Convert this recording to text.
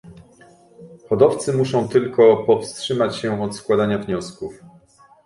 Hodowcy muszą tylko powstrzymać się od składania wniosków